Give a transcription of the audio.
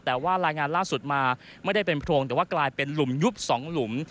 แต่ว่ารายงานล่าสุดมาไม่ได้เป็นโพรงแต่ว่ากลายเป็นหลุมยุบสองหลุม